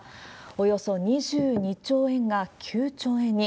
およそ２２兆円が９兆円に。